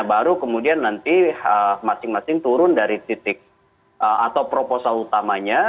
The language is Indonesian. baru kemudian nanti masing masing turun dari titik atau proposal utamanya